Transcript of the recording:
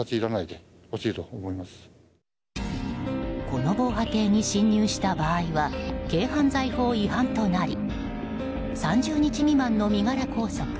この防波堤に侵入した場合は軽犯罪法違反となり３０日未満の身柄拘束。